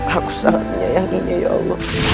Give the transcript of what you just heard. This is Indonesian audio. aku sangat menyayanginya ya allah